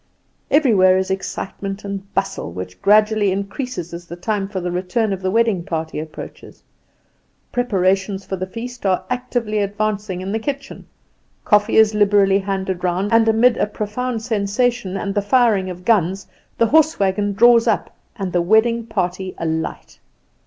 Everywhere is excitement and bustle, which gradually increases as the time for the return of the wedding party approaches. Preparations for the feast are actively advancing in the kitchen; coffee is liberally handed round, and amid a profound sensation, and the firing of guns, the horse wagon draws up, and the wedding party alight.